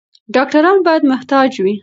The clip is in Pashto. ډاکټران باید محتاط وي.